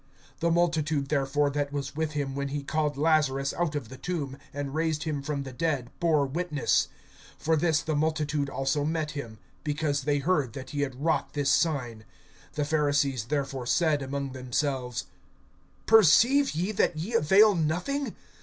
(17)The multitude therefore that was with him when he called Lazarus out of the tomb, and raised him from the dead, bore witness. (18)For this the multitude also met him, because they heard that he had wrought this sign. (19)The Pharisees therefore said among themselves: Perceive ye that ye avail nothing?